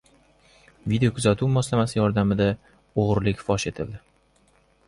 Videokuzatuv moslamasi yordamida o‘g‘rilik fosh etildi